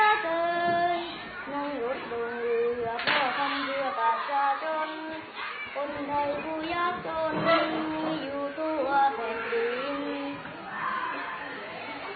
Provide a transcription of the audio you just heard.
ในรถบนเรือเพื่อทำเพื่อกับชาชนคนไทยผู้ยักษ์ชนมีอยู่ตัวแค่จริง